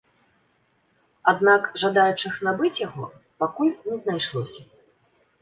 Аднак жадаючых набыць яго пакуль не знайшлося.